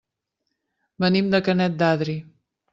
Venim de Canet d'Adri.